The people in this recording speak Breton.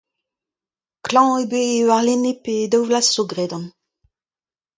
Klañv eo bet warlene, pe daou vloaz 'zo, gredan.